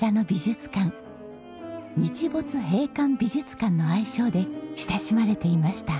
「日没閉館美術館」の愛称で親しまれていました。